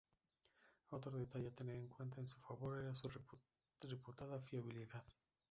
Otro detalle a tener en cuenta en su favor era su reputada fiabilidad.